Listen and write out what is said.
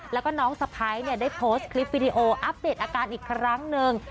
แล้วก็น้องสะพ้ายได้โพสต์คลิปวิดีโออัปเดตอาการอีกครั้งหนึ่ง